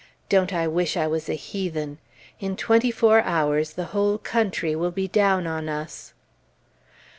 Don't I wish I was a heathen! In twenty four hours the whole country will be down on us.